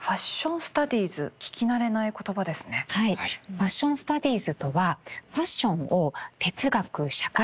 ファッションスタディーズとはファッションを哲学社会学